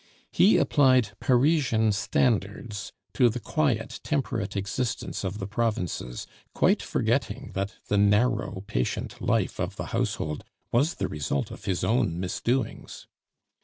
He applied Parisian standards to the quiet, temperate existence of the provinces, quite forgetting that the narrow, patient life of the household was the result of his own misdoings.